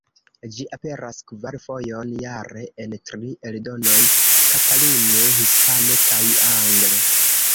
Ĝi aperas kvar fojon jare en tri eldonoj: katalune, hispane kaj angle.